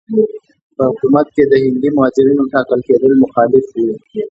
په حکومت کې د هندي مهاجرینو ټاکل کېدل مخالف وو.